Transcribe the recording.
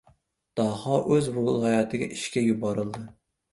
Daho o‘z viloyatiga ishga yuborildi.